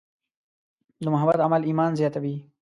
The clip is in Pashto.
د محبت عمل ایمان زیاتوي.